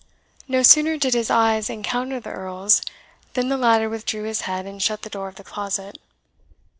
No sooner did his eyes encounter the Earl's, than the latter withdrew his head and shut the door of the closet.